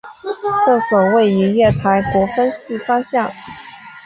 厕所位于月台国分寺方向。